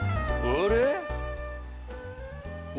あれ？